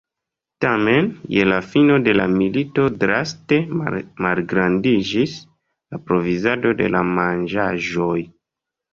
Tamen je la fino de la milito draste malgrandiĝis la provizado de la manĝaĵoj.